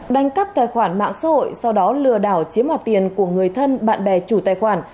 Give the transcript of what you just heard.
đánh cắp tài khoản mạng xã hội sau đó lừa đảo chiếm hoạt tiền của người thân bạn bè chủ tài khoản